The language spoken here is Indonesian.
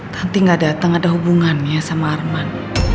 nanti gak datang ada hubungannya sama arman